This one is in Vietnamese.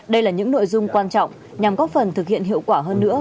đây là những nội dung quan trọng nhằm góp phần thực hiện hiệu quả hơn nữa